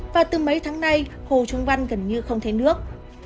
và từ mấy tháng nay hồ trung văn gần như không thấy nước